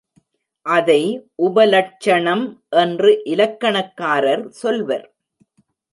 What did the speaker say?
அதை உபலட்சணம் என்று இலக்கணக்காரர் சொல்வர்.